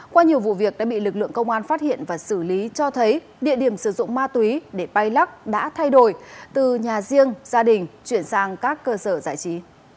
qua nhiều vụ việc đã bị lực lượng công an phát hiện và xử lý cho thấy địa điểm sử dụng ma túy để bay lắc đã thay đổi từ nhà riêng gia đình chuyển sang các cơ sở giải trí